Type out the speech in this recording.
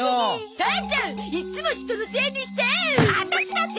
母ちゃんいっつも人のせいにして！